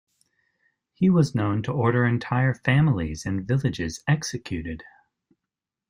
He was known to order entire families and villages executed.